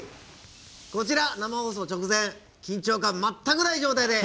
こちら生放送直前緊張感、全くない状態です。